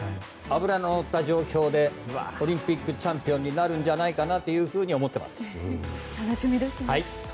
脂ののった状況でオリンピックチャンピオンになるんじゃないかなと思っています。